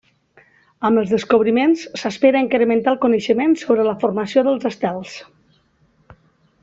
Amb els descobriments s'espera incrementar el coneixement sobre la formació dels estels.